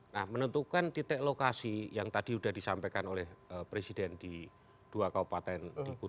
nah menentukan titik lokasi yang tadi sudah disampaikan oleh presiden di dua kabupaten